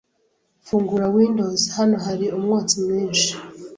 Fungura Windows. Hano hari umwotsi mwinshi.